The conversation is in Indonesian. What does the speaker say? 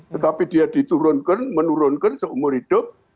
tetapi dia diturunkan menurunkan seumur hidup